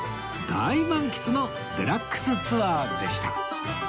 大満喫のデラックスツアーでした